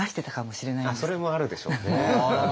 あっそれもあるんでしょうね。